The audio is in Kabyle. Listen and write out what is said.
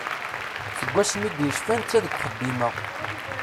Seg wasmi i d-yecfa d netta deg uxeddim-a.